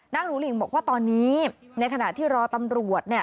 หนูหลิงบอกว่าตอนนี้ในขณะที่รอตำรวจ